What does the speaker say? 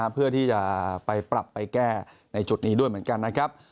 เพื่อที่จะไปปรับไปแก้ในจุดนี้ด้วยเหมือนกันนะครับ